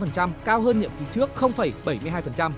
cao hơn nhiệm kỳ trước bảy mươi hai